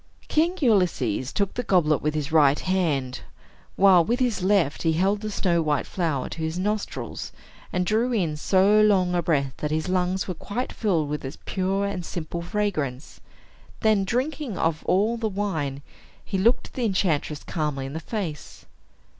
King Ulysses took the goblet with his right hand, while with his left he held the snow white flower to his nostrils, and drew in so long a breath that his lungs were quite filled with its pure and simple fragrance. Then, drinking off all the wine, he looked the enchantress calmly in the face.